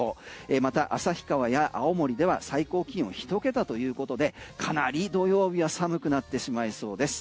また旭川や青森では最高気温１桁ということでかなり土曜日は寒くなってしまいそうです。